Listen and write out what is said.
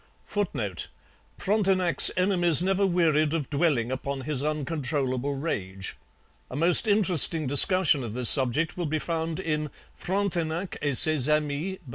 [Footnote: Frontenac's enemies never wearied of dwelling upon his uncontrollable rage. A most interesting discussion of this subject will be found in Frontenac et Ses Amis by M.